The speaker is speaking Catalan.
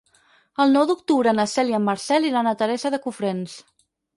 El nou d'octubre na Cel i en Marcel iran a Teresa de Cofrents.